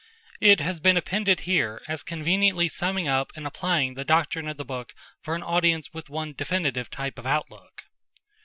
It has been appended here as conveniently summing up and applying the doctrine of the book for an audience with one definite type of outlook.